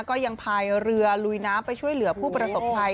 ก็ยังพายเรือลุยน้ำไปช่วยเหลือผู้ประสบภัย